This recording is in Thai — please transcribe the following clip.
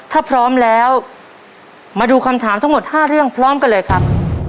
ถ้าพร้อมแล้วมาดูคำถามทั้งหมด๕เรื่องพร้อมกันเลยครับ